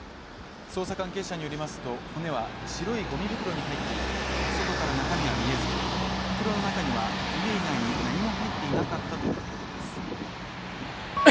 捜査関係者によりますと、骨は白いゴミ袋に入っていて、外から中身は見えず、袋の中には、骨以外に何も入っていなかったということです。